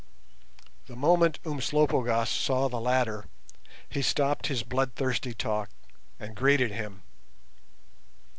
The moment Umslopogaas saw the latter he stopped his bloodthirsty talk and greeted him.